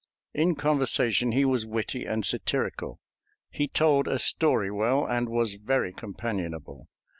In conversation he was witty and satirical; he told a story well, and was very companionable.